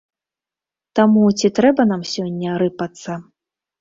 Таму ці трэба нам сёння рыпацца?